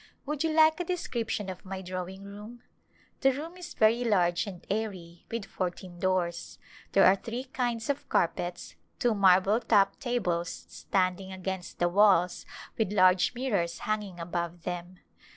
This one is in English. Would you like a description of my drawing room ? The room is very large and airy, with fourteen doors. There are three kinds of carpets, two marble top tables standing against the walls with large mirrors hanging above them.